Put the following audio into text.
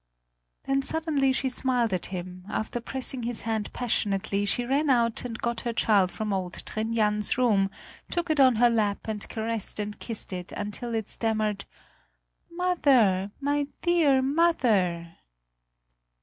Then suddenly she smiled at him; after pressing his hand passionately, she ran out and got her child from old Trin Jans' room, took it on her lap and caressed and kissed it, until it stammered: "Mother, my dear mother!"